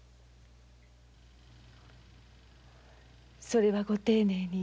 それはご丁寧に。